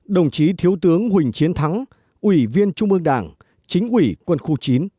ba mươi bảy đồng chí thiếu tướng huỳnh chiến thắng ủy viên trung ương đảng chính ủy quân khu chín